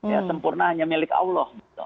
ya sempurna hanya milik allah